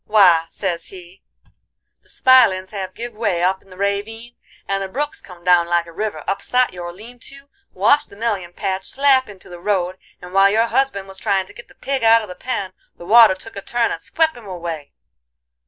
"'Why,' sez he, 'the spilins have give way up in the rayvine, and the brook 's come down like a river, upsot your lean to, washed the mellion patch slap into the road, and while your husband was tryin' to git the pig out of the pen, the water took a turn and swep him away.